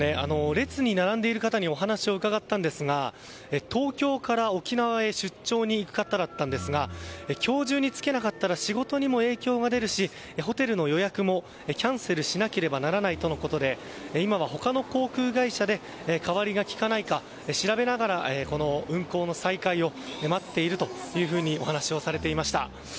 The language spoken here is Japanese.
列に並んでいる方にお話を伺ったんですが東京から沖縄へ出張に行く方だったんですが今日中に着けなかったら仕事にも影響が出るしホテルの予約もキャンセルしなければならないとのことで今は他の航空会社で代わりがきかないか調べながら運航の再開を待っているとお話をされていました。